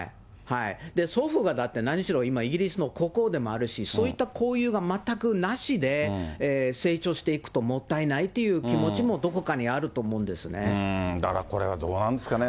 祖父がだって何しろ、今、イギリスの国王でもあるし、そういった交流が全くなしで成長していくともったいないって気持だからこれはどうなんですかね。